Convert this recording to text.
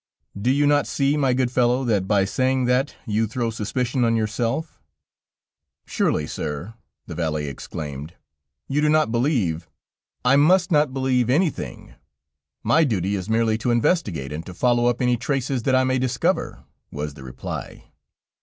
"Do you not see, my good fellow, that by saying that, you throw suspicion on yourself?" "Surely, sir," the valet exclaimed, "you do not believe..." "I must not believe anything; my duty is merely to investigate and to follow up any traces that I may discover," was the reply.